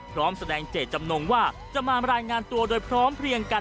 พร้อมแสดงเจตจำนงว่าจะมารายงานตัวโดยพร้อมเพลียงกัน